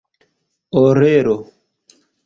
orelo